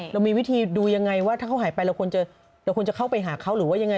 เรามีวิธีดูยังไงว่าถ้าเขาหายไปเราควรจะเข้าไปหาเขาหรือว่ายังไง